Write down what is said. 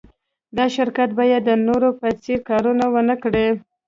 دا شرکت باید د نورو په څېر کارونه و نهکړي